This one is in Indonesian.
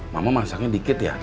mama masaknya dikit ya